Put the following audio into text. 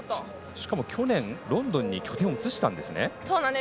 しかも去年ロンドンに拠点を移したんですね。